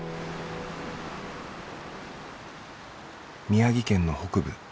宮城県の北部